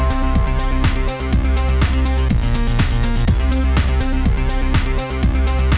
อ่าจำเป็นไหมว่าสมมุติพยานคนนี้นั่งซื้อของอยู่จำเป็นไหมแม่ค้าหันหน้ามองใครน่าเห็นมากกว่ากัน